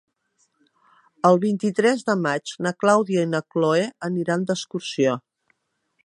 El vint-i-tres de maig na Clàudia i na Cloè aniran d'excursió.